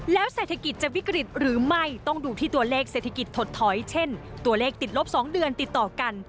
แล้วเศรษฐกิจจะวิกฤตหรือไม่ต้องดูที่ตัวเลขเศรษฐกิจถดถอยเช่นตัวเลขติดลบ๒เดือนติดต่อกัน